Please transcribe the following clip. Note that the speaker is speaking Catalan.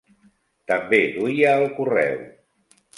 També duia el correu.